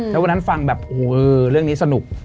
แล้ววันนั้นฟังแบบโอ้โหเรื่องนี้สนุก